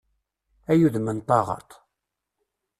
Ay udem n taɣaṭ!